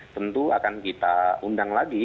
tentu akan kita undang lagi